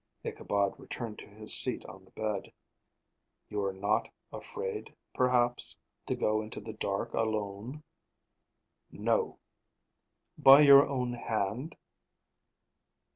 Ichabod returned to his seat on the bed. "You are not afraid, perhaps, to go into the dark alone?" "No." "By your own hand?"